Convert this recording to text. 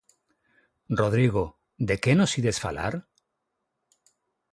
Rodrigo, de que nos ides falar?